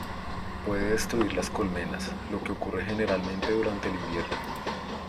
Puede destruir las colmenas, lo que ocurre generalmente durante el invierno.